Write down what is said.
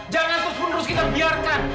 jangan terus menerus kita biarkan